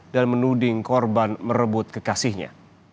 dan menuding korban merebut kekasihnya